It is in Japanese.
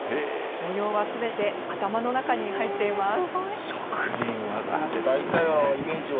模様はすべて頭の中に入っています。